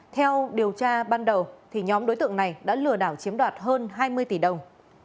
theo điều tra ban đầu nhóm đối tượng này đã lừa đảo chiếm đoạt hơn hai mươi tỷ đồng